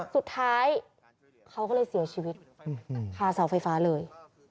สุดท้ายเขาก็เลยเสียชีวิตคาเสาไฟฟ้าเลย